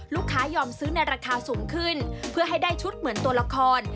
ยอมซื้อในราคาสูงขึ้นเพื่อให้ได้ชุดเหมือนตัวละคร